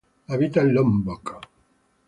Habita en Lombok.